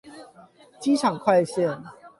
機場快線